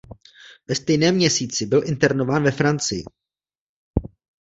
Ve stejném měsíci byl internován ve Francii.